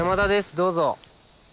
どうぞ。